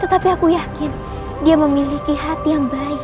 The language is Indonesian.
tetapi aku yakin dia memiliki hati yang baik